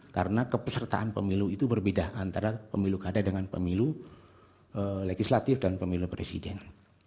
karena kepesertaan pemilu itu berbeda antara pemilu kada dengan pemilu legislatif dan pemilu presiden